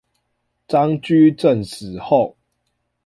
張居正死後